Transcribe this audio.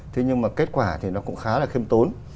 thế nhưng mà kết quả thì nó cũng khá là khiêm tốn